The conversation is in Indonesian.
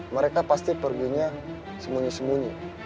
mereka pasti perginya sembunyi sembunyi